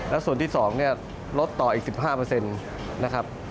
และส่วนที่สองลดต่ออีก๑๕นะครับ